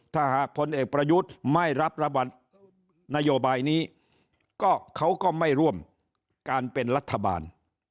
ถ้าหากพลเอกประยุทธ์ไม่รับระบบนโยบายนี้ก็เขาก็ไม่ร่วมการเป็นรัฐบาล